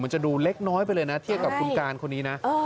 จะดูเล็กน้อยไปเลยนะเทียบกับคุณการคนนี้นะ